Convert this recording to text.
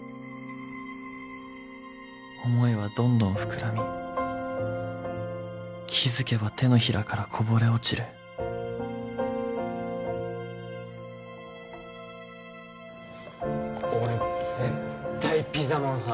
思いはどんどん膨らみ気づけば手のひらからこぼれ落ちる俺絶対ピザまん派